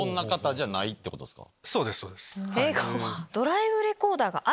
そうですそうです。